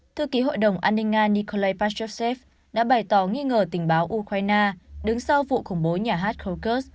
thư ký hội đồng an ninh nga nikolai passosev đã bày tỏ nghi ngờ tình báo ukraine đứng sau vụ khủng bố nhà hát kukus